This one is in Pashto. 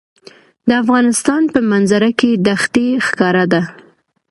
د افغانستان په منظره کې دښتې ښکاره ده.